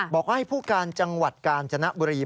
บอกว่าให้ผู้การจังหวัดกาญจนบุรี